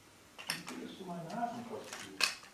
Wie findest du mein Hasenkostüm?